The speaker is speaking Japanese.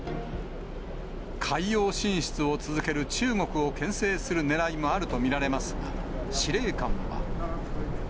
海洋進出を続ける中国をけん制するねらいもあると見られますが、司令官は。